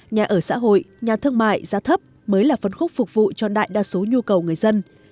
nhà ở xã hội nhà thương mại giá thấp mới là phân khúc phục vụ cho đại đa số nhu cầu người dân